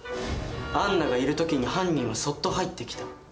杏奈がいる時に犯人はそっと入ってきた。